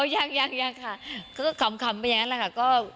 ยังยังค่ะก็ขำไปอย่างนั้นแหละค่ะ